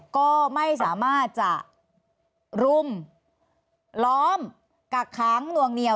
ก็ไม่สามารถจะรุมล้อมกักค้างนวงเหนียว